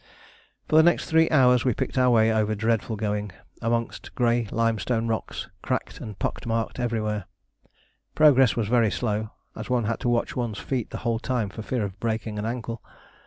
For the next three hours we picked our way over dreadful going, amongst grey limestone rocks, cracked and pock marked everywhere. Progress was very slow, as one had to watch one's feet the whole time for fear of breaking an ankle.